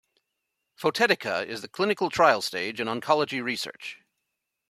Photetica is in the clinical trial stage in oncology research.